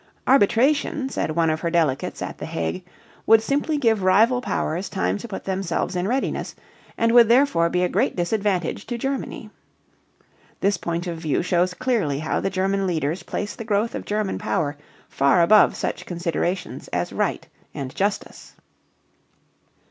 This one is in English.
"Arbitration," said one of her delegates at The Hague, "would simply give rival powers time to put themselves in readiness, and would therefore be a great disadvantage to Germany." This point of view shows clearly how the German leaders place the growth of German power far above such considerations as right and justice.